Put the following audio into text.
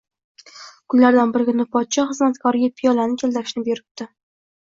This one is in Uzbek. Kunlardan bir kuni podsho xizmatkoriga piyolani keltirishni buyuribdi